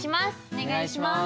お願いします。